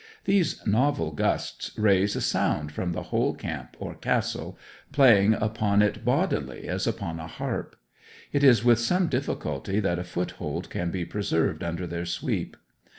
These novel gusts raise a sound from the whole camp or castle, playing upon it bodily as upon a harp. It is with some difficulty that a foothold can be preserved under their sweep.